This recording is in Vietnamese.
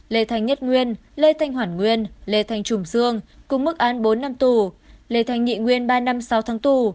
lê thành nhất nguyên lê thành hoản nguyên lê thành trùng dương cùng mức án bốn năm tù lê thành nhị nguyên ba năm sáu tháng tù